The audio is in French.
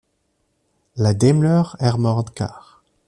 La Daimler Armoured Car.